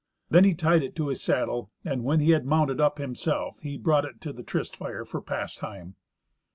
Then he tied it to his saddle, and, when he had mounted up himself, he brought it to the tryst fire for pastime.